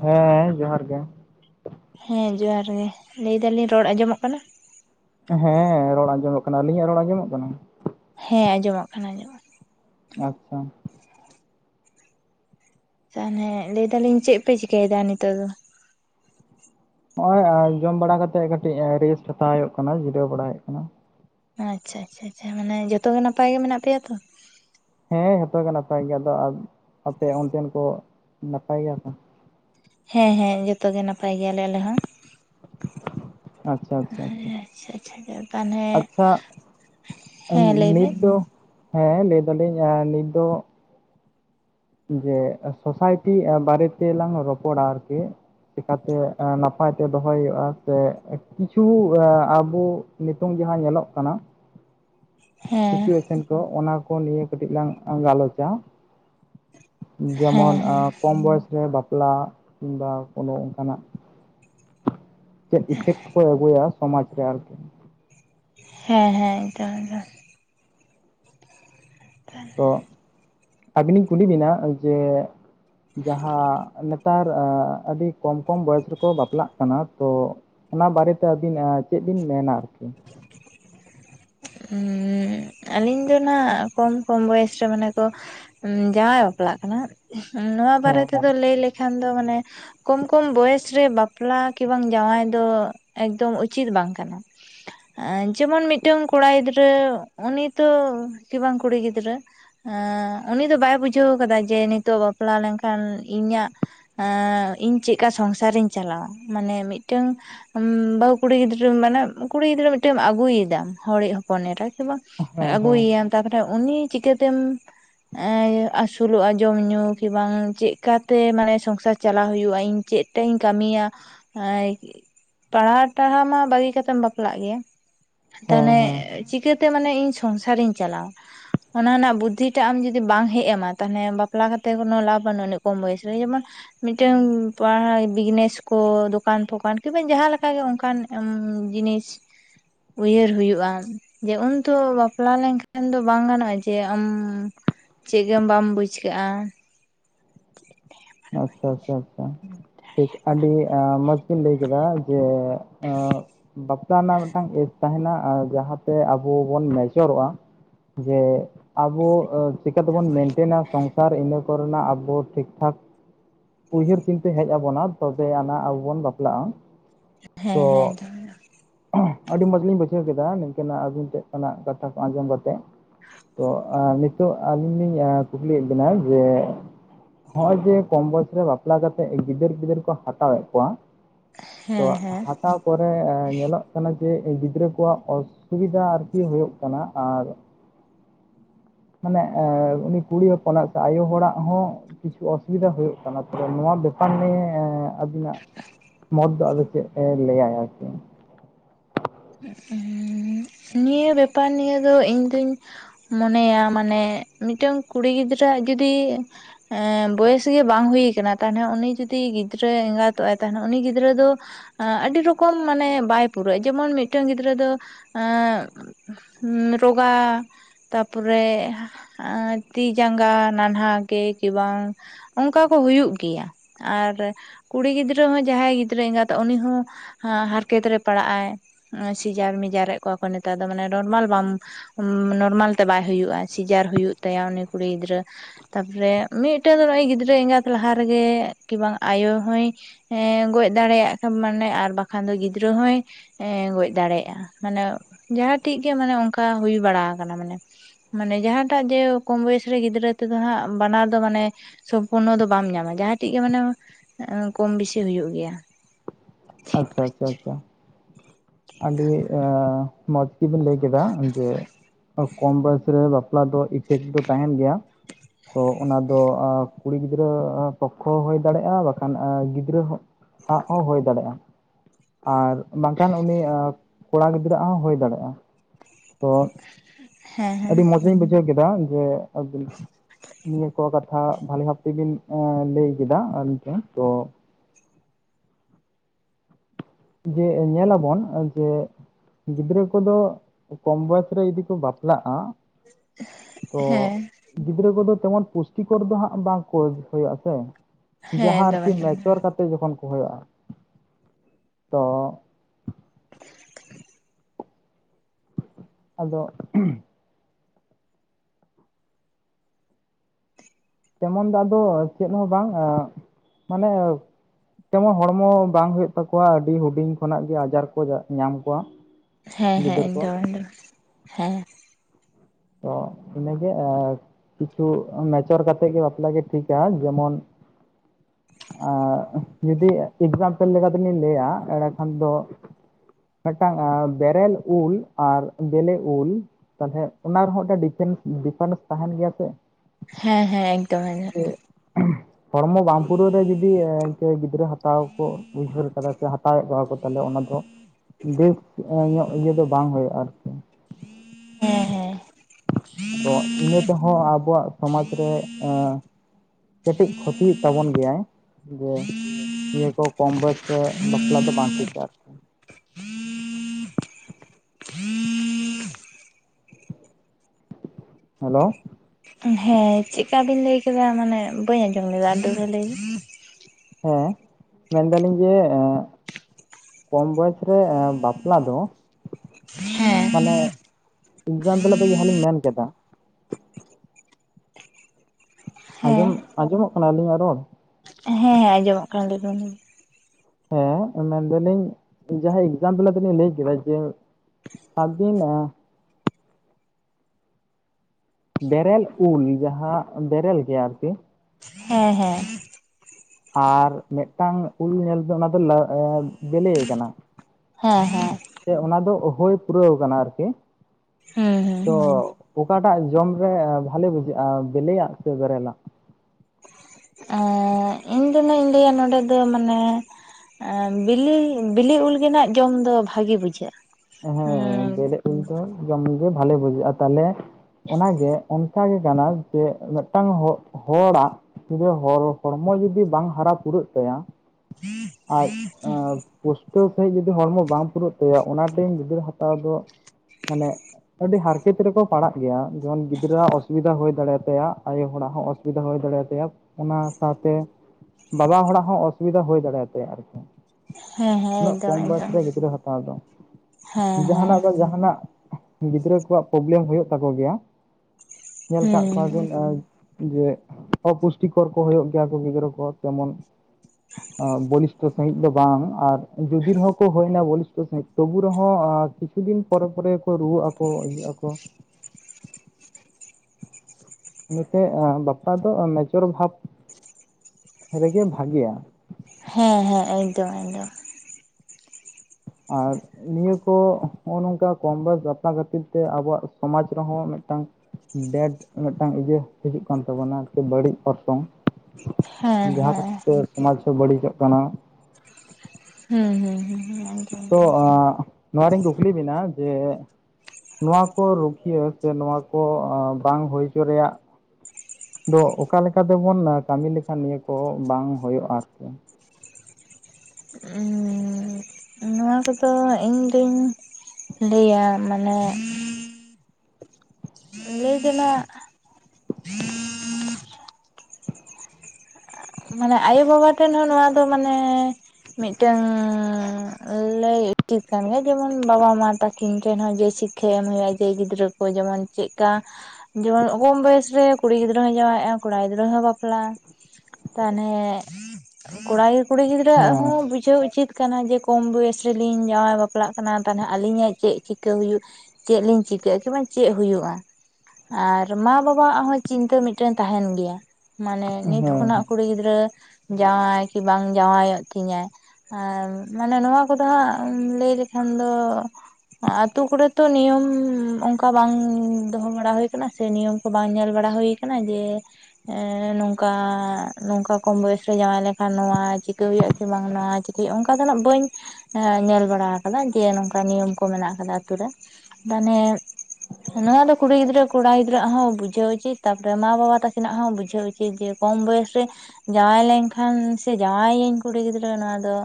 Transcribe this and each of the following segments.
ᱦᱮᱸ ᱡᱚᱦᱟᱨ ᱜᱮ᱾ ᱦᱮᱸ ᱡᱚᱦᱟᱨ ᱜᱮ ᱞᱟᱹᱭ ᱮᱫᱟᱹᱞᱤᱧ ᱨᱚᱲ ᱟᱸᱡᱚᱢᱚᱜ ᱠᱟᱱᱟ? ᱦᱮᱸ ᱨᱚᱲ ᱟᱸᱡᱚᱢᱚᱜ ᱠᱟᱱᱟ ᱟᱹᱞᱤᱧᱟᱜ ᱨᱚᱲ ᱟᱸᱡᱚᱢᱚᱜ ᱠᱟᱱᱟ᱾ ᱦᱮᱸ ᱟᱸᱡᱚᱢᱚᱜ ᱠᱟᱱᱟ ᱟᱸᱡᱚᱢᱚᱜᱼᱼ ᱟᱪᱷᱟ ᱾ ᱛᱟᱦᱚᱞᱮ ᱞᱟᱹᱭᱮᱫᱟᱹᱞᱤᱧ ᱪᱮᱫ ᱯᱮ ᱪᱤᱠᱟᱹᱭᱮᱫᱟ ᱱᱤᱛᱚᱜ ᱫᱚ? ᱱᱚᱜᱼᱚᱭ ᱡᱚᱢ ᱵᱟᱲᱟ ᱠᱟᱛᱮᱜ ᱠᱟᱹᱴᱤᱡ ᱨᱮᱥᱴ ᱦᱟᱛᱟᱣ ᱦᱳᱭᱳᱜ ᱠᱟᱱᱟ ᱡᱤᱨᱟᱹᱣ ᱵᱟᱲᱟ ᱦᱳᱭᱳᱜ ᱠᱟᱱᱟ ᱾ ᱟᱪᱷᱟ-ᱟᱪᱷᱟ- ᱟᱪᱷᱟ, ᱢᱟᱱᱮ ᱡᱚᱛᱚ ᱜᱮ ᱱᱟᱯᱟᱭ ᱜᱮ ᱢᱮᱱᱟᱜ ᱯᱮᱭᱟ ᱛᱚ᱾ ᱦᱮᱸ ᱡᱚᱛᱚ ᱜᱮ ᱱᱟᱯᱟᱭ ᱜᱮᱭ ᱟᱫᱚ ᱟᱯᱮ ᱚᱱᱛᱮᱱ ᱠᱚ ᱱᱟᱯᱟᱭ ᱜᱮᱭᱟ ᱛᱚ? ᱦᱮᱸᱻ ᱦᱮᱸ ᱡᱚᱛᱚ ᱜᱮ ᱱᱟᱯᱟᱭ ᱜᱮᱭᱟᱞᱮ ᱟᱞᱮ ᱦᱚᱸ᱾ ᱟᱪᱪᱷᱟ ᱟᱪᱪᱷᱟ ᱟᱪᱪᱷᱟ ᱦᱮᱸᱦᱮ ᱟᱪᱷᱟ-ᱟᱪᱷᱟ ᱛᱟᱱᱦᱮᱼᱼ ᱟᱪᱪᱷᱟ ᱱᱤᱛ ᱫᱚ ᱦᱮᱸ ᱞᱟᱹᱭ ᱫᱟᱹᱞᱤᱧ ᱱᱤᱛ ᱫᱚ᱾ ᱡᱮ ᱥᱳᱥᱟᱭᱴᱤ ᱵᱟᱨᱮ ᱛᱮ ᱞᱟᱝ ᱨᱚᱯᱚᱲᱟ ᱟᱨᱠᱤ᱾ ᱪᱮᱠᱟᱛᱮ ᱱᱟᱯᱟᱭ ᱛᱮ ᱫᱚᱦᱚᱭ ᱦᱳᱭᱳᱜᱼᱟ ᱥᱮ, ᱠᱤᱪᱷᱩ ᱟᱵᱚ, ᱱᱤᱛᱚᱝ ᱡᱟᱦᱟᱸ ᱧᱮᱞᱚᱜ ᱠᱟᱱᱟ᱾ ᱦᱮᱸ ᱥᱤᱪᱩᱭᱮᱥᱮᱱ ᱠᱚ ᱚᱱᱟ ᱠᱚ ᱱᱤᱭᱮ ᱠᱟᱹᱴᱤᱡ ᱞᱟᱝ ᱜᱟᱞᱚᱪᱟ᱾ ᱦᱮᱸ ᱡᱮᱢᱚᱱ ᱚ, ᱦᱮᱸ ᱠᱚᱢ ᱵᱚᱭᱮᱥ ᱨᱮ ᱵᱟᱯᱞᱟ, ᱠᱤᱝᱵᱟ ᱠᱳᱱᱳ ᱚᱝᱠᱟᱱᱟᱜ, ᱪᱮᱫ ᱤᱯᱷᱮᱠᱴ ᱠᱚᱭ ᱟᱹᱜᱩᱭᱟ ᱥᱚᱢᱟᱡᱽ ᱨᱮ ᱟᱨᱠᱤ᱾ ᱦᱮᱸ ᱦᱮᱸ [unintelligible] [unintelligible] ᱛᱚ ᱟᱹᱵᱤᱱᱤᱧ ᱠᱩᱞᱤ ᱵᱤᱱᱟ ᱡᱮ, ᱡᱟᱦᱟᱸ ᱱᱮᱛ ᱱᱮᱛᱟᱨ ᱟᱹᱰᱤ ᱠᱚᱢ ᱠᱚᱢ ᱵᱚᱭᱮᱥ ᱨᱮᱠᱚ ᱵᱟᱯᱞᱟᱜ ᱠᱟᱱᱟ ᱛᱚ, ᱚᱱᱟ ᱵᱟᱨᱮ ᱛᱮ ᱟᱹᱵᱤᱱ ᱪᱮᱜ ᱵᱤᱱ ᱢᱮᱱᱟ ᱟᱨᱠᱤ, ᱟᱹᱞᱤᱧ ᱫᱚ ᱱᱟᱜ ᱠᱚᱢ ᱠᱚᱢ ᱵᱚᱭᱮᱥ ᱨᱮ ᱢᱟᱱᱮ ᱠᱚ, ᱡᱟᱶᱟᱭ ᱵᱟᱯᱞᱟᱜ ᱠᱟᱱᱟ, ᱱᱚᱣᱟ ᱵᱟᱨᱮ ᱦᱮᱸ ᱛᱮᱫᱚ ᱞᱟᱹᱭ ᱞᱮᱠᱷᱟᱱ ᱫᱚ ᱢᱟᱱᱮ ᱾ ᱠᱚᱢ ᱠᱚᱢ ᱵᱚᱭᱮᱥ ᱨᱮ ᱵᱟᱯᱞᱟ ᱠᱤ ᱵᱟᱝ ᱡᱟᱶᱟᱭ ᱫᱚ ᱮᱠᱫᱚᱢ ᱩᱪᱤᱛ ᱵᱟᱝ ᱠᱟᱱᱟ᱾ [inaudible] ᱡᱮᱢᱚᱱ ᱢᱤᱫᱴᱟᱹᱝ ᱠᱚᱲᱟ ᱜᱤᱫᱽᱨᱟᱹ ᱩᱱᱤ ᱛᱚ ᱠᱤ ᱵᱟᱝ ᱠᱩᱲᱤ ᱜᱤᱫᱽᱨᱟᱹ᱾ ᱩᱱᱤ ᱫᱚ ᱵᱟᱭ ᱵᱩᱡᱷᱟᱹᱣ ᱠᱟᱫᱟ ᱡᱮ ᱱᱤᱛᱚᱜ ᱵᱟᱯᱞᱟ ᱞᱮᱱᱠᱷᱟᱱ ᱤᱧᱟᱜ᱾ ᱤᱧ ᱪᱮᱫᱠᱟ ᱥᱚᱝᱥᱟᱨᱤᱧ ᱪᱟᱞᱟᱣᱟ ᱢᱟᱱᱮ ᱢᱤᱫᱴᱟᱹᱝ᱾ ᱵᱟᱹᱦᱩ ᱠᱩᱲᱤ ᱜᱤᱫᱽᱨᱟᱹ ᱢᱮᱱᱟᱜ ᱠᱩᱲᱤ ᱜᱤᱫᱽᱨᱟᱹ ᱢᱤᱫᱴᱮᱢ ᱟᱹᱜᱩᱭᱮᱫᱟ ᱦᱚᱲᱤᱡ ᱦᱚᱯᱚᱱ ᱮᱨᱟ ᱠᱤᱵᱟᱝ ᱦᱮᱸ ᱦᱮᱸ ᱟᱹᱜᱩᱭᱭᱟᱢ᱾ ᱛᱟᱯᱚᱨᱮ ᱩᱱᱤ ᱪᱤᱠᱟᱹᱛᱮᱢ, ᱟᱹᱥᱩᱞᱚᱜᱼᱟ ᱡᱚᱢ ᱧᱩ ᱠᱤ ᱵᱟᱝ ᱪᱮᱜᱠᱟᱛᱮ ᱢᱟᱱᱮ ᱥᱚᱝᱥᱟᱨ ᱪᱟᱞᱟᱣ ᱦᱩᱭᱩᱜᱼᱟ ᱤᱧ ᱪᱮᱫ ᱛᱮᱦᱤᱧ ᱠᱟᱹᱢᱤᱭᱟ ᱯᱟᱲᱦᱟᱣ ᱴᱟᱲᱦᱟᱣ ᱢᱟ ᱵᱟᱹᱜᱤ ᱠᱟᱛᱮᱢ ᱵᱟᱯ ᱵᱟᱯᱞᱟᱜ ᱜᱮᱭᱟ ᱦᱮᱸ ᱛᱟᱦᱚᱞᱮ ᱦᱮᱸ ᱦᱮᱸ ᱪᱤᱠᱟᱹᱛᱮ ᱢᱟᱱᱮ ᱤᱧ ᱥᱚᱝᱥᱟᱨᱤᱧ ᱪᱟᱞᱟᱣ᱾ ᱚᱱᱟ ᱨᱮᱱᱟᱜ ᱵᱩᱫᱽᱫᱷᱤᱴᱟᱜ ᱟᱢ ᱡᱩᱫᱤ ᱵᱟᱝ ᱦᱮᱡ ᱮᱢᱟ ᱛᱟᱦᱚᱞᱮ ᱵᱟᱯᱞᱟ ᱠᱟᱛᱮ ᱠᱳᱱᱳ ᱞᱟᱵᱷ ᱵᱟᱹᱱᱩᱜᱼᱟ ᱩᱱᱟᱹᱜ ᱠᱚᱢ ᱵᱚᱭᱮᱥ ᱨᱮ ᱡᱮᱢᱚᱱ, ᱢᱤᱫᱴᱟᱹᱝ ᱯᱟᱲ [inaudible] ᱵᱤᱡᱽᱱᱮᱥ ᱠᱚ ᱫᱚᱠᱟᱱ ᱯᱷᱚᱠᱟᱱ ᱠᱤᱢᱵᱟ ᱡᱟᱦᱟᱸᱞᱮᱠᱟᱜᱮ ᱚᱱᱠᱟᱱ ᱡᱤᱱᱤᱥ᱾ ᱩᱭᱦᱟᱹᱨ ᱦᱩᱭᱩᱜᱼᱟ᱾ ᱡᱮ ᱩᱱ ᱛᱚ ᱵᱟᱯᱞᱟ ᱞᱮᱱᱠᱷᱟᱱ ᱫᱚ ᱵᱟᱝ ᱜᱟᱱᱚᱜᱼᱟ ᱡᱮ ᱟᱢ, ᱪᱮᱫ ᱜᱮᱢ ᱵᱟᱢ ᱵᱩᱡᱽ ᱠᱟᱜᱼᱟ᱾ ᱟᱪᱪᱷᱟ ᱟᱪᱷᱟ ᱟᱪᱪᱷᱟ ᱴᱷᱤᱠ ᱟᱹᱰᱤ ᱮᱸ ᱢᱚᱸᱡᱽ ᱵᱤᱱ ᱞᱟᱹᱭ ᱠᱮᱫᱟ ᱡᱮ ᱟᱸ, ᱵᱟᱯᱞᱟ ᱨᱮᱱᱟᱜ ᱢᱮᱫᱴᱟᱝ ᱮᱡᱽ ᱛᱟᱦᱮᱱᱟ ᱟᱨ ᱡᱟᱦᱟᱸᱛᱮ ᱟᱵᱚ ᱵᱚᱱ ᱢᱮᱪᱚᱨᱚᱜᱼᱟ᱾ ᱡᱮ, ᱟᱵᱚ ᱪᱤᱠᱟᱹᱛᱮᱵᱚᱱ ᱢᱮᱱᱴᱮᱱᱟ ᱥᱚᱝᱥᱟᱨ ᱤᱱᱟᱹ ᱠᱚᱨᱮᱱᱟᱜ ᱟᱵᱚ ᱴᱷᱤᱠᱴᱷᱟᱠ, ᱩᱭᱦᱟᱹᱨ ᱪᱤᱱᱛᱟᱹ ᱦᱮᱡ ᱟᱵᱚᱱᱟ ᱛᱚᱵᱮ ᱟᱱᱟ ᱟᱵᱚ ᱵᱚᱱ ᱵᱟᱯᱞᱟᱜᱼᱟ᱾ ᱛᱚ ᱦᱮᱸ ᱦᱮᱸ᱾ ᱟᱹᱰᱤ ᱢᱚᱸᱡᱽᱞᱤᱧ ᱵᱩᱡᱷᱟᱹᱣ ᱠᱮᱫᱟ ᱱᱤᱝᱠᱟᱹᱱᱟᱜ ᱟᱹᱵᱤᱱ ᱴᱷᱮᱡ ᱠᱷᱚᱱᱟᱜ ᱠᱟᱛᱷᱟ ᱠᱚ ᱟᱸᱡᱚᱢ ᱠᱟᱛᱮᱫ᱾ ᱛᱚ ᱱᱤᱛᱚᱜ ᱟᱹᱞᱤᱧ ᱞᱤᱧ ᱠᱩᱞᱤᱭᱮᱜ ᱵᱤᱱᱟ ᱡᱮ, ᱦᱚᱸᱜ ᱚᱭ ᱡᱮ ᱠᱚᱢ ᱵᱚᱭᱚᱥ ᱨᱮ ᱵᱟᱯᱞᱟ ᱠᱟᱛᱮᱜ ᱜᱤᱫᱟᱹᱨ ᱯᱤᱫᱟᱹᱨ ᱠᱚ ᱦᱟᱛᱟᱣᱮᱜ ᱠᱚᱣᱟ᱾ ᱛᱚ ᱦᱮᱸ ᱦᱟᱛᱟᱣ ᱯᱚᱨᱮ ᱧᱮᱞᱚᱜ ᱧᱮᱞᱚᱜ ᱠᱟᱱᱟ ᱡᱮ ᱜᱤᱫᱽᱨᱟᱹ ᱠᱚᱣᱟᱜ ᱚᱥᱩᱵᱤᱫᱷᱟ ᱟᱨᱠᱤ ᱦᱳᱭᱳᱜ ᱠᱟᱱᱟ ᱟᱨ, ᱢᱟᱱᱮ ᱩᱱᱤ ᱠᱩᱲᱤ ᱦᱚᱯᱚᱱᱟᱜ ᱥᱮ ᱟᱭᱳ ᱦᱚᱲᱟᱜ ᱦᱚᱸ, ᱠᱤᱪᱷᱩ ᱚᱥᱩᱵᱤᱫᱷᱟ ᱦᱳᱭᱳᱜ ᱠᱟᱱᱟ᱾ ᱛᱚᱵᱮ ᱱᱚᱣᱟ ᱵᱮᱯᱟᱨ ᱱᱤᱭᱮ ᱟᱹᱵᱤᱱᱟᱜ ᱢᱚᱛ ᱫᱚ ᱟᱫᱚ ᱪᱮᱫ ᱮ ᱞᱮᱭᱟᱭ ᱟᱨᱠᱤ᱾ ᱱᱤᱭᱟᱹ ᱵᱮᱯᱟᱨ ᱱᱤᱭᱮ ᱫᱚ ᱤᱧᱫᱩᱧ ᱢᱚᱱᱮᱭᱟ ᱢᱟᱱᱮ ᱢᱤᱫᱴᱟᱹᱝ ᱠᱩᱲᱤ ᱜᱤᱫᱽᱨᱟᱹ ᱟᱜ ᱡᱩᱫᱤ, ᱵᱚᱭᱮᱥ ᱜᱮ ᱵᱟᱝ ᱦᱩᱭ ᱠᱟᱱᱟ ᱛᱟᱦᱚᱞᱮ ᱩᱱᱤ ᱡᱩᱫᱤ ᱜᱤᱫᱽᱨᱟᱹ ᱮᱸᱜᱟᱛᱚᱜ ᱟᱭ ᱛᱟᱦᱚᱞᱮ ᱩᱱᱤ ᱜᱤᱫᱽᱨᱟᱹ ᱫᱚ ᱟᱹᱰᱤ ᱨᱚᱠᱚᱢ ᱢᱟᱱᱮ ᱵᱟᱭ ᱯᱩᱨᱟᱹᱜᱼᱟ ᱡᱮᱢᱚᱱ ᱢᱤᱫ ᱢᱤᱫᱴᱟᱹᱝ ᱜᱤᱫᱽᱨᱟᱹ ᱫᱚ ᱨᱚᱜᱟ ᱛᱟᱯᱚᱨᱮ ᱛᱤ ᱡᱟᱸᱜᱟ ᱱᱟᱱᱦᱟ ᱜᱮ ᱠᱤ ᱵᱟᱝ ᱚᱝᱠᱟ ᱠᱚ ᱦᱩᱭᱩᱜ ᱜᱮᱭᱟ ᱟᱨ ᱠᱩᱲᱤ ᱜᱤᱫᱽᱨᱟᱹ ᱦᱚᱸ ᱡᱟᱦᱟᱸᱭ ᱜᱤᱫᱽᱨᱟᱹ ᱮᱸᱜᱟᱛᱚᱜ ᱩᱱᱤ ᱦᱚᱸ ᱦᱟᱨᱠᱮᱛ ᱨᱮ ᱯᱟᱲᱟᱜᱼ ᱟᱭ ᱥᱤᱡᱟᱨ ᱢᱤᱡᱟᱨᱮᱜ ᱠᱚᱣᱟ ᱠᱚ ᱱᱮᱛᱟᱨ ᱫᱚ ᱢᱟᱱᱮ ᱱᱚᱨᱢᱟᱞ ᱵᱟᱢ ᱱᱚᱨᱢᱟᱞ ᱛᱮ ᱵᱟᱭ ᱦᱩᱭᱩᱜᱼᱟ ᱥᱤᱡᱟᱨ ᱦᱩᱭᱩᱜ ᱛᱟᱭᱟ ᱩᱱᱤ ᱠᱩᱲᱤ ᱜᱤᱫᱽᱨᱟᱹ ᱛᱟᱯᱨᱮ ᱢᱤᱫᱴᱮᱱ ᱫᱚ ᱱᱚᱜᱼᱚᱭ ᱜᱤᱫᱽᱨᱟᱹ ᱮᱸᱜᱟᱛ ᱞᱟᱦᱟ ᱨᱮᱜᱮ ᱠᱤᱵᱟᱝ ᱟᱭᱳ ᱦᱚᱭ ᱮᱸ ᱜᱚᱡᱽ ᱫᱟᱲᱮᱭᱟᱜ ᱠᱷᱟᱢ ᱢᱟᱱᱮ ᱟᱨ ᱵᱟᱠᱷᱟᱱ ᱫᱚ ᱜᱤᱫᱽᱨᱟᱹ ᱦᱚᱭ ᱮᱸ ᱜᱚᱡᱽ ᱫᱟᱲᱮᱭᱟᱜᱼᱟ ᱢᱟᱱᱮ ᱡᱟᱦᱟᱸᱴᱤᱡ ᱜᱮ ᱢᱟᱱᱮ ᱚᱝᱠᱟ ᱦᱩᱭ ᱵᱟᱲᱟ ᱟᱠᱟᱱᱟ ᱢᱟᱱᱮ ᱢᱟᱱᱮ ᱡᱟᱦᱟᱸᱴᱟᱜ ᱡᱮ ᱠᱚᱢ ᱵᱚᱭᱮᱥ ᱨᱮ ᱜᱤᱫᱽᱨᱟᱹ ᱛᱮᱫᱚ ᱦᱟᱸᱜ ᱵᱟᱱᱟᱨ ᱫᱚ ᱢᱟᱱᱮ ᱥᱚᱢᱯᱩᱨᱱᱚ ᱫᱚ ᱵᱟᱢ ᱧᱟᱢᱟ ᱡᱟᱦᱟᱸᱴᱤᱡ ᱜᱮ ᱢᱟᱱᱮ ᱠᱚᱢ ᱵᱮᱥᱤ ᱦᱩᱭᱩᱜ ᱜᱮᱭᱟ ᱟᱪᱪᱷᱟ ᱪᱷᱟ ᱪᱷᱟ ᱟᱹᱰᱤ ᱮᱸ ᱢᱚᱡᱽ ᱜᱮᱵᱤᱱ ᱞᱟᱹᱭ ᱠᱮᱫᱟ ᱡᱮ ᱠᱚᱢ ᱵᱚᱭᱮᱥ ᱨᱮ ᱵᱟᱯᱞᱟ ᱫᱚ ᱤᱯᱷᱮᱠᱴ ᱫᱚ ᱛᱟᱦᱮᱱ ᱜᱮᱭᱟ᱾ ᱛᱚ ᱚᱱᱟ ᱫᱚ ᱠᱩᱲᱤ ᱜᱤᱫᱽᱨᱟᱹ ᱯᱚᱠᱷᱚ ᱦᱳᱭ ᱫᱟᱲᱮᱭᱟᱜᱼᱟ ᱵᱟᱠᱷᱟᱱ ᱜᱤᱫᱽᱨᱟᱹ ᱦᱚᱸ ᱦᱚᱸᱜ ᱦᱚ ᱦᱩᱭ ᱫᱟᱲᱮᱭᱟᱜᱼᱟ᱾ ᱟᱨ ᱵᱟᱝᱠᱷᱟᱱ ᱩᱱᱤ ᱠᱚᱲᱟ ᱜᱤᱫᱽᱨᱟᱹ ᱦᱟᱸ ᱦᱚ ᱦᱩᱭ ᱫᱟᱲᱮᱭᱟᱜᱼᱟ, ᱛᱚ ᱦᱮᱸ ᱦᱮᱸ ᱤᱧ [unintelligible] ᱵᱩᱡᱷᱟᱹᱣ ᱠᱮᱫᱟ ᱡᱮ [unintelligible] ᱱᱤᱭᱟᱹ ᱠᱚ ᱠᱟᱛᱷᱟ ᱵᱷᱟᱞᱤ ᱵᱷᱟᱵ ᱛᱮᱵᱤᱱ ᱮᱸ ᱞᱟᱹᱭ ᱠᱮᱫᱟ ᱟᱞᱤᱧ ᱴᱷᱮᱱ ᱛᱚ ᱡᱮ ᱧᱮᱞᱟᱵᱚᱱ ᱡᱮ ᱜᱤᱫᱽᱨᱟᱹ ᱠᱚᱫᱚ ᱠᱚᱢ ᱵᱚᱭᱮᱥ ᱨᱮ ᱡᱩᱫᱤ ᱠᱚ ᱵᱟᱯᱞᱟᱜᱼᱟ ᱛᱚ ᱦᱮᱸ ᱜᱤᱫᱽᱨᱟᱹ ᱠᱚᱫᱚ ᱛᱮᱢᱚᱱ ᱯᱩᱥᱴᱤᱠᱚᱨ ᱫᱚ ᱦᱟᱸᱜ ᱵᱟᱝ ᱠᱚ ᱦᱩᱭᱩᱜᱼᱟ ᱥᱮ। ᱦᱮᱸ ᱦᱮᱸ ᱡᱟᱦᱟᱸ ᱮᱠᱫᱚᱢ ᱟᱨᱠᱤ ᱮᱠᱫᱚᱢ ᱢᱮᱪᱚᱨ ᱠᱟᱛᱮᱫ ᱡᱚᱠᱷᱚᱱ ᱠᱚ ᱦᱩᱭᱩᱜᱼᱟ᱾ ᱛᱚ ᱟᱫᱚ ᱛᱮᱢᱚᱱ ᱫᱚ ᱟᱫᱚ ᱪᱮᱫ ᱦᱚᱸ ᱵᱟᱝ ᱢᱟᱱᱮ ᱛᱮᱢᱚᱱ ᱦᱚᱲᱢᱚ ᱵᱟᱝ ᱦᱩᱭᱩᱜ ᱛᱟᱠᱚᱣᱟ ᱟᱹᱰᱤ ᱦᱩᱰᱤᱧ ᱠᱷᱚᱱᱟᱜ ᱜᱮ ᱟᱡᱟᱨ ᱠᱚ ᱧᱟᱢ ᱠᱚᱣᱟ। ᱦᱮᱸ ᱦᱮᱸ ᱜᱤᱫᱟᱹᱨ ᱠᱚ ᱤᱧᱫᱚᱢ ᱤᱧᱫᱚᱢ ᱦᱮᱸ। ᱛᱚ ᱤᱱᱟᱹᱜᱮ ᱮᱸ ᱠᱤᱪᱷᱩ ᱢᱮᱪᱚᱨ ᱠᱟᱛᱮᱫ ᱜᱮ ᱵᱟᱯᱞᱟ ᱜᱮ ᱴᱷᱤᱠᱟ ᱡᱮᱢᱚᱱ ᱟᱨ ᱡᱩᱫᱤ ᱮᱠᱡᱟᱢᱯᱮᱞ ᱞᱮᱠᱟᱛᱮᱞᱤᱧ ᱞᱟᱹᱭᱟ ᱮᱸᱲᱮᱠᱷᱟᱱ ᱫᱚ ᱢᱤᱫᱴᱟᱝ ᱵᱮᱨᱮᱞ ᱩᱞ ᱟᱨ ᱵᱮᱞᱮ ᱩᱞ ᱛᱟᱦᱚᱞᱮ ᱚᱱᱟ ᱨᱮᱦᱚᱸ ᱢᱤᱫᱴᱮᱱ ᱰᱤᱯᱷᱮᱱᱥ ᱰᱤᱯᱷᱟᱨᱮᱱᱥ ᱛᱟᱦᱮᱱ ᱜᱮᱭᱟ ᱥᱮ। ᱦᱮᱸ ᱦᱮᱸ ᱮᱠᱫᱚᱢ ᱡᱮ [unintelligible] [unintelligible] ᱦᱚᱲᱢᱚ ᱵᱟᱝ ᱯᱩᱨᱟᱹᱣ ᱨᱮ ᱡᱩᱫᱤ ᱤᱱᱠᱟ ᱜᱤᱫᱽᱨᱟᱹ ᱦᱟᱛᱟᱣ ᱠᱚ ᱩᱭᱦᱟᱹᱨ ᱠᱟᱫᱟ ᱥᱮ ᱦᱟᱛᱟᱣᱮᱫ ᱠᱚᱣᱟ ᱠᱚ ᱛᱟᱦᱟᱞᱮ ᱚᱱᱟ ᱫᱚ ᱵᱮᱥ ᱧᱚᱜ ᱤᱭᱟᱹ ᱫᱚ ᱵᱟᱝ ᱦᱩᱭᱩᱜᱼᱟ ᱟᱨᱠᱤ। ᱦᱮᱸ ᱦᱮᱸ ᱛᱚ ᱤᱱᱟᱹ ᱛᱮᱦᱚᱸ ᱟᱵᱚᱣᱟᱜ ᱥᱚᱢᱟᱡ ᱨᱮ ᱮᱸ ᱠᱟᱹᱴᱤᱡᱽ ᱠᱷᱚᱛᱤᱭ ᱛᱟᱵᱚᱱ ᱜᱮᱭᱟᱭ ᱡᱮ ᱤᱭᱟᱹ ᱠᱚ ᱠᱚᱢ ᱵᱚᱭᱮᱥ ᱨᱮ ᱵᱟᱯᱞᱟ ᱫᱚ ᱵᱟᱝ ᱴᱷᱤᱠᱼᱟ ᱟᱨᱠᱤ। ᱦᱮᱞᱳ ᱦᱮᱸ ᱪᱮᱫᱠᱟ ᱵᱤᱱ ᱞᱟᱹᱭ ᱠᱮᱫᱟ ᱢᱟᱱᱮ ᱵᱟᱹᱧ ᱟᱸᱡᱚᱢ ᱞᱮᱫᱟ ᱟᱨ ᱫᱩᱦᱩᱲᱟᱹ ᱞᱟᱹᱭ ᱵᱤᱱ ᱦᱮᱸ ᱢᱮᱱᱫᱟᱞᱤᱧ ᱡᱮ ᱮᱸ ᱠᱚᱢ ᱵᱚᱭᱮᱥᱨᱮ ᱵᱟᱯᱞᱟ ᱫᱚ ᱦᱮᱸ ᱢᱟᱱᱮ ᱮᱠᱡᱟᱢᱯᱮᱞᱟᱜ ᱫᱚ ᱡᱟᱦᱟᱸ ᱞᱤᱧ ᱢᱮᱱ ᱠᱮᱫᱟ ᱦᱮᱸ ᱟᱸᱡᱚᱢ ᱟᱸᱡᱚᱢᱚᱜ ᱠᱟᱱᱟ ᱟᱹᱞᱤᱧᱟᱜ ᱨᱚᱲ? ᱦᱮᱸ ᱦᱮᱸ ᱦᱮᱸᱡᱚᱢᱚᱜ ᱠᱟᱱ ᱞᱮ ᱢᱮ ᱦᱮᱸ ᱢᱮᱱᱫᱟᱞᱤᱧ ᱡᱟᱦᱟᱸ ᱮᱠᱡᱟᱢᱯᱮᱞ ᱟᱛᱮ ᱞᱤᱧ ᱞᱟᱹᱭ ᱠᱮᱫᱟ ᱡᱮ ᱼᱼ ᱟᱵᱤᱱᱟ ᱵᱮᱨᱮᱞ ᱩᱞ ᱡᱟᱦᱟᱸ ᱵᱮᱨᱮᱞ ᱜᱮᱭᱟ ᱟᱨᱠᱤ। ᱦᱮᱸ ᱦᱮᱸ ᱟᱨ ᱢᱤᱜᱴᱟᱝ ᱩᱞ ᱧᱮᱞ ᱵᱮ ᱚᱱᱟ ᱫᱚ ᱞᱟᱹ ᱟᱹ ᱵᱮᱞᱮ ᱠᱟᱱᱟ। ᱦᱮᱸ ᱦᱮᱸ ᱥᱮ ᱚᱱᱟ ᱫᱚ ᱦᱩᱭ ᱯᱩᱨᱟᱹᱣ ᱠᱟᱱᱟ ᱟᱨᱠᱤ ᱦᱩᱸ ᱛᱚ ᱼᱼ ᱚᱠᱟᱴᱟᱜ ᱡᱚᱢ ᱨᱮ ᱵᱷᱟᱞᱮ ᱵᱩᱡᱷᱟᱹᱜᱼᱟ ᱵᱮᱞᱮᱭᱟᱜ ᱥᱮ ᱵᱮᱨᱮᱞ-ᱟᱜ? ᱦᱩᱸ ᱤᱧ ᱫᱚ ᱤᱧ ᱞᱟᱹᱭᱟ ᱱᱚᱰᱮ ᱫᱚ ᱢᱟᱱᱮ ᱼᱼ ᱮ ᱵᱤᱞᱤ ᱵᱤᱞᱤ ᱩᱞ ᱜᱮ ᱱᱟᱜ ᱡᱚᱢ ᱫᱚ ᱵᱷᱟᱜᱮ ᱵᱩᱡᱷᱟᱹᱜᱼᱟ। ᱦᱮᱸ ᱦᱩᱸ ᱵᱮᱞᱮ ᱩᱞ ᱫᱚ ᱡᱚᱢ ᱜᱮ ᱵᱷᱟᱞᱮ ᱵᱩᱡᱷᱟᱹᱜᱼᱟ᱾ ᱛᱟᱦᱟᱞᱮ ᱼᱼ ᱚᱱᱟᱜᱮ ᱚᱱᱠᱟ ᱜᱮ ᱠᱟᱱᱟ ᱡᱮ ᱢᱮᱜᱴᱟᱝ ᱦᱚᱜ ᱦᱚᱲ-ᱟᱜ ᱼᱼ ᱤᱭᱟᱹ ᱦᱚᱞ ᱦᱚᱲᱢᱚ ᱡᱩᱫᱤ ᱵᱟᱝ ᱦᱟᱨᱟ ᱯᱩᱨᱟᱹᱜ ᱛᱟᱭᱟ ᱼᱼ ᱟᱡ ᱯᱩᱥᱴᱟᱹᱣ ᱥᱟᱺᱦᱤᱡ ᱡᱩᱫᱤ ᱦᱚᱲᱢᱚ ᱵᱟᱝ ᱯᱩᱨᱟᱹᱜ ᱛᱟᱭᱟ᱾ ᱚᱱᱟ ᱼᱼ ᱛᱮᱧ ᱜᱤᱫᱽᱨᱟᱹ ᱦᱟᱛᱟᱣ ᱫᱚ ᱢᱟᱱᱮ ᱼᱼ ᱟᱹᱰᱤ ᱦᱟᱨᱠᱮᱛ ᱨᱮᱠᱚ ᱯᱟᱲᱟᱜ ᱜᱮᱭᱟ ᱡᱮᱢᱚᱱ ᱜᱤᱫᱽᱨᱟᱹᱣᱟᱜ ᱚᱥᱩᱵᱤᱫᱟ ᱦᱩᱭ ᱫᱟᱲᱮᱭᱟ ᱛᱟᱭᱟ ᱟᱭᱳ ᱦᱚᱲᱟᱜ ᱦᱚᱸ ᱚ ᱥᱩᱵᱤᱫᱷᱟ ᱦᱳᱭ ᱫᱟᱲᱮᱭᱛᱟᱭᱟ ᱚᱱᱟ ᱥᱟᱶᱛᱮ ᱵᱟᱵᱟ ᱦᱚᱲᱟᱜ ᱦᱚᱸ ᱚᱥᱵᱤᱫᱟ ᱦᱳᱭ ᱫᱟᱲᱮᱭᱛᱟᱭᱟ ᱟᱨᱠᱤ ᱦᱮᱸ ᱦᱮᱸ ᱩᱱᱟᱹᱜ ᱮᱠᱫᱚᱢ ᱠᱚᱢ ᱵᱚᱭᱮᱥ ᱮᱠᱫᱚᱢ ᱨᱮ ᱜᱤᱫᱽᱨᱟᱹ ᱦᱟᱛᱟᱣ ᱫᱚ ᱦᱮᱸ ᱦᱮᱸ ᱡᱟᱸᱦᱟᱱᱟᱜ ᱵᱟ ᱡᱟᱸᱦᱟᱱᱟᱜ ᱜᱤᱫᱽᱨᱟᱹ ᱠᱚᱣᱟᱜ ᱯᱚᱵᱞᱮᱢ ᱦᱳᱭᱳᱜ ᱛᱟᱠᱚ ᱜᱮᱭᱟ ᱧᱮᱞ ᱠᱟᱜ ᱦᱩᱸ ᱠᱚᱣᱟᱵᱤᱱ ᱟᱨ ᱡᱮ ᱚᱯᱩᱥᱴᱤᱠᱚᱨ ᱠᱚ ᱦᱳᱭᱳᱜ ᱜᱮᱭᱟ ᱠᱚ ᱜᱤᱫᱽᱨᱟᱹ ᱠᱚ ᱛᱮᱢᱚᱱ ᱵᱚᱞᱤᱥ ᱥᱟᱹᱦᱤᱡ ᱫᱚ ᱵᱟᱝ ᱟᱨ ᱡᱩᱫᱤ ᱨᱮᱦᱚᱸ ᱠᱚ ᱦᱳᱭᱱᱟ ᱵᱚᱞᱤᱥᱴᱚ ᱥᱟᱺᱦᱤᱡ ᱛᱚᱵᱩ ᱨᱮᱦᱚᱸ ᱟᱹ ᱠᱤᱪᱷᱩ ᱫᱤᱱ ᱯᱚᱨᱮ ᱯᱚᱨᱮ ᱠᱚ ᱨᱩᱣᱟᱹᱜ ᱟᱠᱚ ᱤᱭᱟᱹᱜ ᱟᱠᱚ ᱚᱱᱟᱛᱮ ᱵᱟᱯᱞᱟ ᱫᱚ ᱢᱮᱪᱚᱨ ᱵᱷᱟᱵ ᱨᱮᱜᱮ ᱵᱷᱟᱜᱮᱭᱟ ᱦᱮᱸ ᱦᱮᱸ ᱮᱠᱫᱚᱢ ᱮᱠᱫᱚᱢ ᱟᱨ ᱱᱤᱭᱟᱹ ᱠᱚ ᱦᱚᱸᱜᱼᱚ ᱱᱚᱝᱠᱟ ᱠᱚᱢ ᱵᱚᱭᱮᱥ ᱵᱟᱯᱞᱟ ᱠᱷᱟᱹᱛᱤᱨ ᱛᱮ ᱟᱵᱚᱣᱟᱜ ᱥᱚᱢᱟᱡᱽ ᱨᱮᱦᱚᱸ ᱢᱤᱫᱴᱟᱝ ᱵᱮᱰ ᱢᱮᱜᱴᱟᱝ ᱤᱭᱟᱹ ᱦᱤᱡᱩᱜ ᱠᱟᱱ ᱛᱟᱵᱚᱱᱟ ᱟᱨᱠᱤ ᱵᱟᱹᱲᱤᱡ ᱚᱨᱥᱚᱝ ᱦᱮᱸ ᱡᱟᱦᱟᱸ ᱦᱮᱸ ᱠᱷᱟᱹᱛᱤᱨ ᱛᱮ ᱥᱚᱢᱟᱡ ᱦᱚᱸ ᱵᱟᱹᱲᱤᱡᱚᱜ ᱠᱟᱱᱟ ᱦᱩᱸ ᱦᱩᱸ ᱦᱩᱸ ᱦᱩᱸ ᱟᱹ ᱱᱚᱣᱟᱨᱮᱧ ᱠᱩᱠᱞᱤ ᱵᱤᱱᱟ ᱡᱮ ᱱᱚᱣᱟ ᱠᱚ ᱨᱩᱠᱷᱤᱭᱟᱹ ᱥᱮ ᱱᱚᱣᱟ ᱠᱚ ᱵᱟᱝ ᱦᱳᱭᱪᱚ ᱨᱮᱭᱟᱜ ᱫᱚ ᱚᱠᱟ ᱞᱮᱠᱟ ᱛᱮᱵᱚᱱ ᱮᱸ ᱠᱟᱹᱢᱤ ᱞᱮᱠᱷᱟᱱ ᱱᱤᱭᱟᱹ ᱠᱚ ᱵᱟᱝ ᱦᱳᱭᱳᱜᱼᱟ ᱟᱨᱠᱤ? ᱩᱸ ᱱᱚᱣᱟ ᱠᱚᱫᱚ ᱤᱧ ᱫᱩᱧ ᱞᱟᱹᱭᱟ ᱢᱟᱱᱮ ᱞᱟᱹᱭ ᱛᱮᱱᱟᱜ ᱢᱟᱱᱮ ᱟᱭᱳ ᱵᱟᱵᱟ ᱴᱷᱮᱱ ᱦᱚᱸ ᱱᱚᱣᱟ ᱫᱚ ᱢᱟᱱᱮ ᱢᱤᱴᱟᱝ ᱞᱟᱹᱭ ᱩᱪᱤᱛ ᱠᱟᱱ ᱜᱮᱭᱟ ᱡᱮᱢᱚᱱ ᱵᱟᱵᱟ ᱢᱟ ᱛᱟᱹᱠᱤᱱ ᱴᱷᱮᱱ ᱦᱚᱸ ᱡᱮᱭᱥᱤ ᱠᱷᱮ ᱮᱢ ᱦᱩᱭᱩᱜᱼᱟ ᱡᱮ ᱜᱤᱫᱽᱨᱟᱹ ᱠᱚ ᱡᱮᱢᱚᱱ ᱪᱮᱜᱠᱟ ᱡᱮᱢᱚᱱ ᱠᱚᱢ ᱵᱚᱭᱮᱥ ᱨᱮ ᱠᱩᱲᱤ ᱜᱤᱫᱽᱨᱟᱹ ᱦᱚᱸᱭ ᱡᱟᱶᱟᱭ ᱚᱜᱼᱟ ᱠᱚᱲᱟ ᱜᱤᱫᱽᱨᱟᱹ ᱦᱚᱸ ᱵᱟᱯᱞᱟ ᱛᱟᱦᱱᱮ ᱠᱚᱲᱟ ᱜᱮ ᱠᱩᱲᱤ ᱜᱤᱫᱽᱨᱟᱹ ᱣᱟᱜ ᱦᱮᱸ ᱦᱚᱸ ᱵᱩᱡᱷᱟᱹᱣ ᱩᱪᱤᱛ ᱠᱟᱱᱟ ᱡᱮ ᱠᱚᱢ ᱵᱚᱭᱮᱥ ᱨᱮᱞᱤᱧ ᱡᱟᱶᱟᱭ ᱵᱟᱯᱞᱟᱜ ᱠᱟᱱᱟ ᱛᱟᱦᱚᱞᱮ ᱟᱞᱤᱧᱟᱜ ᱪᱮ ᱪᱤᱠᱟᱹᱜ ᱦᱩᱭᱩᱜ ᱪᱮ ᱞᱤᱧ ᱪᱤᱠᱟᱭᱟ ᱠᱤ ᱵᱟᱝ ᱪᱮ ᱦᱩᱭᱩᱜᱼᱟ ᱟᱨ ᱢᱟ-ᱵᱟᱵᱟ ᱣᱟᱜ ᱦᱚᱸ ᱪᱤᱱᱛᱟᱹ ᱢᱤᱜᱴᱮᱱ ᱛᱟᱸᱦᱮᱱ ᱜᱮᱭᱟ ᱢᱟᱱᱮ ᱦᱮᱸ ᱱᱤᱛ ᱦᱮᱸ ᱠᱷᱚᱱᱟᱜ ᱠᱩᱲᱤ ᱜᱤᱫᱽᱨᱟᱹ ᱡᱟᱶᱟᱭ ᱠᱤ ᱵᱟᱝ ᱡᱟᱶᱟᱭ-ᱚᱜ ᱛᱤᱧᱟᱭ ᱦᱮᱸ ᱢᱟᱱᱮ ᱱᱚᱣᱟ ᱠᱚᱫᱚ ᱦᱟᱸᱜ ᱞᱟᱹᱭ ᱞᱮᱠᱷᱟᱱ ᱫᱚ ᱟᱛᱩ ᱠᱚᱨᱮ ᱛᱚ ᱱᱤᱭᱚᱢ ᱚᱝᱠᱟ ᱵᱟᱝ ᱫᱚᱦᱚ ᱵᱟᱲᱟ ᱦᱳᱭ ᱠᱟᱱᱟ ᱥᱮ ᱱᱤᱭᱚᱢ ᱠᱚ ᱵᱟᱝ ᱧᱮᱞ ᱵᱟᱲᱟ ᱦᱳᱭ ᱠᱟᱱᱟ ᱡᱮ ᱮᱸᱻ ᱱᱚᱝᱠᱟ ᱱᱚᱝᱠᱟ ᱠᱚᱢ ᱵᱚᱭᱚᱥ ᱨᱮ ᱡᱟᱶᱟᱭ ᱞᱮᱠᱷᱟᱱ ᱱᱚᱣᱟ ᱪᱤᱠᱟᱹ ᱦᱩᱭᱩᱜᱼᱟ ᱥᱮ ᱵᱟᱝ ᱪᱤᱠᱟᱹᱭ ᱦᱩᱭᱩᱜᱼᱟ ᱚᱱᱠᱟ ᱫᱚᱱᱟ ᱵᱟᱹᱧ ᱮᱸ ᱧᱮᱞ ᱵᱟᱲᱟ ᱟᱠᱟᱫᱟ ᱡᱮ ᱱᱚᱝᱠᱟ ᱱᱤᱭᱚᱢ ᱠᱚ ᱢᱮᱱᱟᱜ ᱟᱠᱟᱫᱟ ᱟᱛᱩ ᱨᱮ ᱢᱟᱱᱮ ᱱᱚᱶᱟ ᱫᱚ ᱠᱩᱲᱤ ᱜᱤᱫᱽᱨᱟᱹ ᱠᱚᱲᱟ ᱜᱤᱫᱽᱨᱟᱹᱣᱟᱜ ᱦᱚᱸ ᱵᱩᱡᱷᱟᱹᱣ ᱩᱪᱤᱛ ᱛᱟᱯᱚᱨᱮ ᱢᱟ ᱵᱟᱵᱟ ᱛᱟᱹᱠᱤᱱᱟᱜ ᱦᱚᱸ ᱵᱩᱡᱷᱟᱹᱣ ᱩᱪᱤᱛ ᱡᱮ ᱠᱚᱢ ᱵᱚᱭᱚᱥ ᱨᱮ ᱡᱟᱶᱟᱭ ᱞᱮᱱᱠᱷᱟᱱ ᱥᱮ ᱡᱟᱶᱟᱭᱟᱹᱧ ᱠᱩᱲᱤ ᱜᱤᱫᱽᱨᱟᱹ ᱱᱚᱣᱟ ᱫᱚ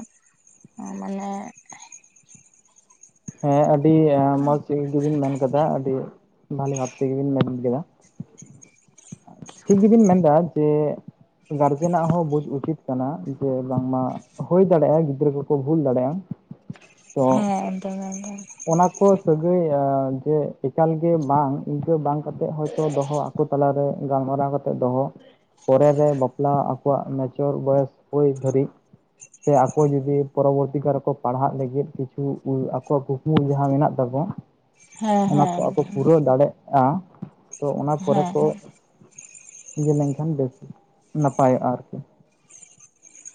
ᱢᱟᱱᱮ ᱦᱮᱸ ᱟᱹᱰᱤ ᱢᱚᱡᱽ ᱜᱮᱵᱤᱱ ᱢᱮᱱ ᱠᱟᱫᱟ ᱟᱹᱰᱤ ᱵᱷᱟᱞᱮ ᱵᱷᱟᱵ ᱛᱮᱜᱮᱵᱤᱱ ᱢᱮᱱ ᱠᱮᱫᱟ ᱴᱷᱤᱠ ᱜᱮᱵᱤᱱ ᱢᱮᱱᱫᱟ ᱡᱮ ᱜᱟᱨᱡᱮᱱᱟᱜ ᱦᱚᱸ ᱵᱩᱡ ᱩᱪᱤᱛ ᱠᱟᱱᱟ ᱡᱮ ᱵᱟᱝᱢᱟ ᱦᱩᱭ ᱫᱟᱲᱮᱭᱟᱜᱼᱟ ᱜᱤᱫᱽᱨᱟᱹ ᱠᱚᱠᱚ ᱵᱷᱩᱞ ᱫᱟᱲᱮᱭᱟᱜᱼᱟ [inaudible] ᱦᱮᱸ ᱮᱠᱫᱚᱢ ᱮᱠᱫᱚᱢ ᱚᱱᱟ ᱠᱚ ᱥᱟᱹᱜᱟᱹᱭ ᱮᱻ ᱡᱮ ᱮᱠᱟᱞᱜᱮ ᱵᱟᱝ ᱤᱱᱠᱟᱹ ᱵᱟᱝ ᱠᱟᱛᱮ ᱦᱚᱭᱛᱚ ᱫᱚᱦᱚ ᱟᱠᱚ ᱛᱟᱞᱟᱨᱮ ᱜᱟᱞᱢᱟᱨᱟᱣ ᱠᱟᱛᱮ ᱫᱚᱦᱚ ᱯᱚᱨᱮ ᱨᱮ ᱵᱟᱯᱞᱟ ᱟᱠᱚᱣᱟᱜ ᱢᱮᱪᱚᱨ ᱵᱚᱭᱮᱥ ᱦᱩᱭ ᱫᱷᱟᱹᱨᱤᱡ ᱥᱮ ᱟᱠᱚ ᱡᱩᱫᱤ ᱯᱚᱨᱚᱵᱚᱨᱛᱤ ᱠᱟᱞ ᱨᱮ ᱠᱚ ᱯᱟᱲᱦᱟᱜ ᱞᱟᱹᱜᱤᱫ ᱠᱤᱪᱷᱩ ᱟᱠᱚᱣᱟᱜ ᱠᱩᱠᱢᱩ ᱡᱟᱦᱟᱸ ᱢᱮᱱᱟᱜ ᱛᱟᱠᱚ ᱦᱮᱸ ᱚᱱᱟ ᱠᱚ ᱦᱮᱸ ᱟᱠᱚ ᱮᱠᱫᱚᱢ ᱯᱩᱨᱟᱹᱣ ᱫᱟᱲᱮᱜ ᱟ ᱛᱚ ᱚᱱᱟ ᱯᱚᱨᱮ ᱦᱮᱸ ᱠᱚ ᱤᱭᱟᱹ ᱞᱮᱱᱠᱷᱟᱱ ᱵᱮᱥ ᱱᱟᱯᱟᱭᱚᱜᱼᱟ ᱟᱨᱠᱤ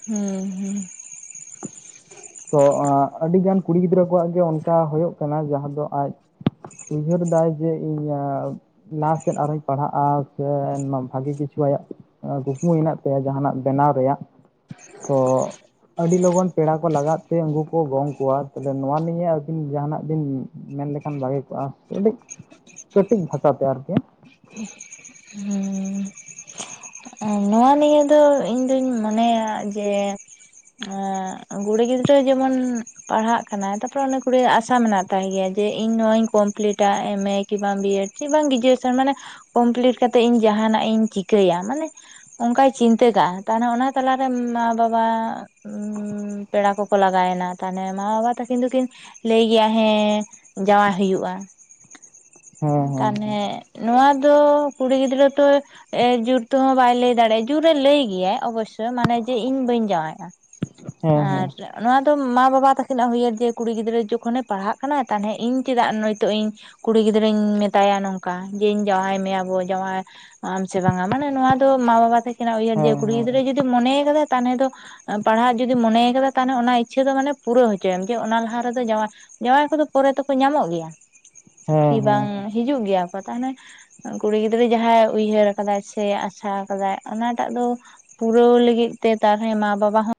ᱦᱩᱸ, ᱦᱩᱸ, ᱛᱚ ᱟᱹᱰᱤᱜᱟᱱ ᱠᱩᱲᱤ ᱜᱤᱫᱽᱨᱟᱹ ᱠᱚᱣᱟᱜ ᱜᱮ ᱚᱱᱠᱟ ᱦᱩᱭᱩᱜ ᱠᱟᱱᱟ, ᱡᱟᱦᱟᱸ ᱫᱚ ᱟᱡᱼᱼ ᱩᱭᱦᱟᱹᱨᱫᱟᱭ ᱡᱮ ᱤᱧᱟᱹᱜᱼᱼ ᱞᱟᱦᱟ ᱥᱮᱫ ᱟᱨᱚᱧ ᱯᱟᱲᱦᱟᱜᱼᱟ, ᱥᱮ ᱵᱷᱟᱹᱜᱤ ᱠᱤᱪᱷᱩ ᱟᱭᱟᱜ ᱠᱩᱠᱢᱩ ᱦᱮᱱᱟᱜ ᱛᱟᱭᱟ ᱡᱟᱦᱟᱱᱟᱜ ᱵᱮᱱᱟᱣ ᱨᱮᱭᱟᱜ᱾ ᱛᱚ ᱟᱹᱰᱤ ᱞᱚᱜᱚᱱ ᱯᱮᱲᱟ ᱠᱚ ᱞᱟᱜᱟᱜ ᱛᱮ, ᱩᱱᱠᱩ ᱠᱚ ᱜᱚᱝ ᱠᱚᱣᱟ, ᱛᱟᱦᱚᱞᱮ ᱱᱚᱣᱟ ᱱᱤᱭᱟᱹ ᱟᱹᱵᱤᱱ ᱡᱟᱦᱟᱱᱟᱜ ᱵᱤᱱ ᱢᱮᱱ ᱞᱮᱠᱷᱟᱱ ᱵᱷᱟᱜᱮ ᱠᱚᱜᱼᱟ, [unintelligible] ᱠᱟᱹᱴᱤᱡ ᱵᱷᱟᱥᱟ ᱛᱮ ᱟᱨᱠᱤ, ᱦᱩᱸ ᱱᱚᱶᱟ ᱱᱤᱭᱮ ᱫᱚ ᱤᱧ ᱫᱩᱧ ᱢᱚᱱᱮᱭᱟ ᱡᱮ, ᱟ ᱠᱩᱲᱤ ᱜᱤᱫᱽᱨᱟᱹ ᱡᱮᱢᱚᱱ, ᱯᱟᱲᱦᱟᱜ ᱠᱟᱱᱟᱭ, ᱛᱟᱯᱚᱨᱮ ᱩᱱᱤ ᱠᱩᱲᱤᱭ ᱟᱥᱟ ᱢᱮᱱᱟᱜ ᱛᱟᱭ ᱜᱮᱭᱟ ᱡᱮ ᱤᱧ ᱱᱚᱣᱟᱧ ᱠᱚᱢᱯᱞᱤᱴᱟ ᱮᱢᱮᱠ ᱠᱤ ᱵᱟᱝ ᱵᱤᱭᱮᱰ ᱪ [unintelligible] ᱵᱟᱝ ᱜᱨᱮᱡᱩᱭᱮᱥᱚᱱ, ᱢᱟᱱᱮ ᱠᱚᱢᱯᱞᱤᱴ ᱠᱟᱛᱮ ᱤᱧ ᱡᱟᱦᱟᱱᱟᱜ ᱤᱧ ᱪᱤᱠᱟᱹᱭᱟ, ᱢᱟᱱᱮ ᱚᱱᱠᱟᱭ ᱪᱤᱱᱛᱟᱹ ᱠᱟᱜ ᱛᱟᱦᱚᱞᱮ ᱚᱱᱟ ᱛᱟᱞᱟᱨᱮ ᱢᱟ ᱵᱟᱵᱟ, ᱩ ᱯᱮᱲᱟ ᱠᱚᱠᱚ ᱞᱟᱜᱟᱭᱮᱱᱟ ᱛᱟᱦᱚᱞᱮ ᱢᱟ ᱵᱟᱵᱟ ᱛᱟᱹᱠᱤᱱ ᱫᱩᱠᱤᱱ, ᱞᱟᱹᱭ ᱜᱮᱭᱟ ᱦᱮᱸ, ᱡᱟᱶᱟᱭ ᱦᱩᱭᱩᱜᱼᱟ [inaudible] ᱦᱮᱸ ᱛᱟᱱᱮ ᱱᱚᱣᱟ ᱫᱚ ᱠᱩᱲᱤ ᱜᱤᱫᱽᱨᱟᱹ ᱛᱚ ᱡᱩᱛᱼᱼ ᱛᱚ ᱦᱚᱸ ᱵᱟᱭ ᱞᱟᱹᱭ ᱫᱟᱲᱮᱭᱟᱜᱼᱟ ᱡᱩᱨᱮ ᱞᱟᱹᱭ ᱜᱮᱭᱟᱭ, ᱚᱵᱚᱥᱳᱭ ᱢᱟᱱᱮ ᱡᱮ ᱤᱧ ᱵᱟᱹᱧ ᱡᱟᱶᱟᱭᱚᱜᱼᱟ᱾ ᱦᱮᱸ ᱦᱮᱸ ᱟᱨ ᱱᱚᱣᱟ ᱫᱚ ᱢᱟ ᱵᱟᱵᱟ ᱛᱟᱹᱠᱤᱱᱟᱜ ᱦᱩᱭᱟᱹᱨ ᱡᱮ ᱠᱩᱲᱤ ᱜᱤᱫᱽᱨᱟᱹ ᱡᱚᱠᱷᱚᱱᱮ ᱯᱟᱲᱦᱟᱜ ᱠᱟᱱᱟ, ᱛᱟᱦᱚᱞᱮ ᱤᱧ ᱪᱮᱫᱟᱜ ᱱᱤᱛᱚᱜ ᱤᱧ ᱠᱩᱲᱤ ᱜᱤᱫᱽᱨᱟᱹᱧ ᱢᱮᱛᱟᱭᱟ ᱱᱚᱝᱠᱟ, ᱡᱮ ᱤᱧ ᱡᱟᱶᱟᱭ ᱢᱮᱭᱟᱵᱚ ᱡᱟᱶᱟᱭ ᱟᱢ ᱥᱮ ᱵᱟᱝᱟ, ᱢᱟᱱᱮ ᱱᱚᱣᱟ ᱫᱚ ᱢᱟ ᱵᱟᱵᱟ ᱛᱟᱹᱠᱤᱱᱟᱜ ᱩᱭᱦᱟᱹᱨ, ᱡᱮ ᱦᱮᱸ ᱠᱩᱲᱤ ᱦᱮᱸ ᱜᱤᱫᱽᱨᱟᱹ ᱡᱩᱫᱤ ᱢᱚᱱᱮ ᱟᱠᱟᱫᱟᱼᱼ ᱛᱟᱦᱚᱞᱮ ᱫᱚ ᱯᱟᱲᱦᱟᱜ ᱡᱩᱫᱤ ᱢᱚᱱᱮᱭ ᱠᱟᱫᱟ, ᱛᱟᱦᱚᱞᱮ ᱚᱱᱟ ᱤᱪᱪᱷᱟᱹ ᱫᱚ ᱢᱟᱱᱮ ᱯᱩᱨᱟᱹ ᱦᱚᱪᱚᱭᱮᱢ ᱡᱮ ᱚᱱᱟ ᱞᱟᱦᱟ ᱨᱮᱫᱚ ᱡᱟᱶᱟᱭ ᱡᱟᱶᱟᱭ ᱠᱚᱫᱚ ᱯᱚᱨᱮ ᱛᱮᱠᱚ ᱧᱟᱢᱚᱜ ᱜᱮᱭᱟ ᱠᱤ ᱦᱮᱸ ᱦᱮᱸ ᱵᱟᱝ ᱦᱤᱡᱩᱜ ᱜᱮᱭᱟ ᱠᱚ ᱛᱟᱦᱮ ᱠᱩᱲᱤ ᱜᱤᱫᱽᱨᱟᱹ ᱡᱟᱦᱟᱸᱭ ᱩᱭᱦᱟᱹᱨ ᱟᱠᱟᱫᱟᱭᱼᱼ ᱥᱮ ᱟᱥᱟ ᱟᱠᱟᱫᱟᱭ ᱚᱱᱟᱴᱟᱜ ᱫᱚ, ᱯᱩᱨᱟᱹᱣ ᱞᱟᱹᱜᱤᱫ ᱛᱮ ᱛᱟᱦᱮ ᱢᱟ ᱵᱟᱵᱟ ᱦᱚᱸᱼᱼ